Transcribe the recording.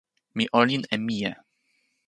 mi olin e mije.